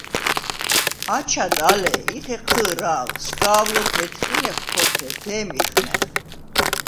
აჩად ალე ი ხეჴჷ̄რა̄ლ: სგავ ლოქ ედხინეხ ქორთე, დე̄მ იხნეხ.